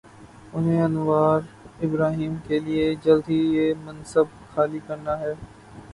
انہیں Anwar Ibrahim کے لیے جلد ہی یہ منصب خالی کر نا ہے۔